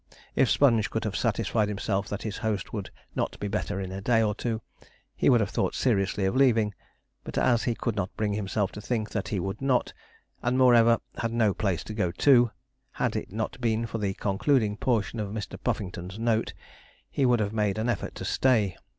If Sponge could have satisfied himself that his host would not be better in a day or two, he would have thought seriously of leaving; but as he could not bring himself to think that he would not, and, moreover, had no place to go to, had it not been for the concluding portion of Mr. Puffington's note, he would have made an effort to stay.